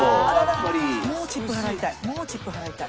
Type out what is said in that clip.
もうチップ払いたい。